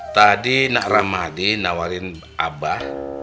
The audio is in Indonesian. tadi nak ramadi nawarin abah